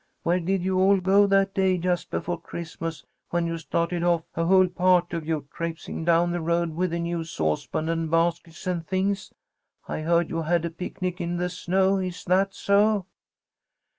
Where did you all go that day just before Christmas when you started off, a whole party of you, traipsing down the road with a new saucepan and baskets and things? I heard you had a picnic in the snow. Is that so?"